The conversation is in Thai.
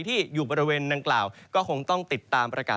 ก็คือบริเวณอำเภอเมืองอุดรธานีนะครับ